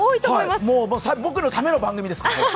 僕のための番組です。